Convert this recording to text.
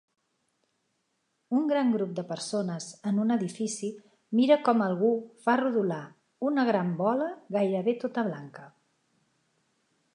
Un gran grup de persones en un edifici mira com algú fa rodolar una gran bola gairebé tota blanca.